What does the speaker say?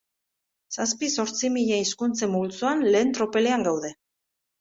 Zazpi-zortzi mila hizkuntzen multzoan lehen tropelean gaude.